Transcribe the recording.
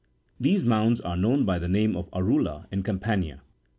These mounds are known by the name of "arula"61 in Campania.